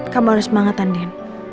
kamu harus semangat andin